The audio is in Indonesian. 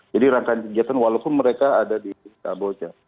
jadi rangkaian kegiatan walaupun mereka ada di kamboja